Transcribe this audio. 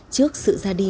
trước sự ra đi